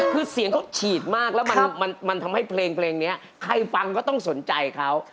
คือเสียงเขาฉีดมากแล้วมันทำให้เพลงนี้ใครฟังก็ต้องสนใจเขา